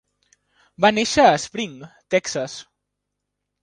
Va néixer a Spring, Texas.